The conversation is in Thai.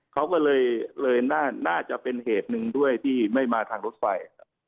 เขาก็เลยเลยน่าจะเป็นเหตุหนึ่งด้วยที่ไม่มาทางรถไฟ